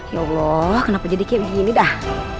ya allah kenapa jadi kayak begini dah